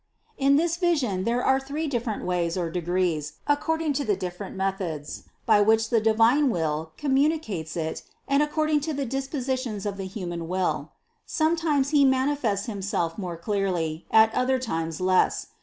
In this vision there are three different ways or degrees, according to the different methods, by which the divine Will communicates it and according to the dispo sitions of the human will. Sometimes He manifests Himself more clearly, at other times less.